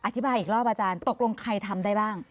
อธิบายอีกรอบอาจารย์ตกลงใครทำได้บ้าง